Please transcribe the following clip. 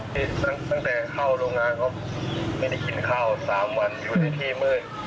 ที่ตั้งแต่เข้าโรงงานเขาไม่ได้กินข้าว๓วันอยู่ในที่มืด